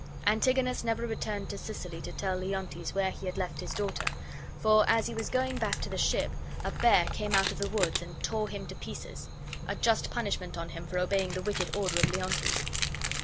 Antigonus never returned to Sicily to tell Leontes where he had left his daughter, for, as he was going back to the ship, a bear came out of the woods and tore him to pieces; a just punishment on him for obeying the wicked order Leontes.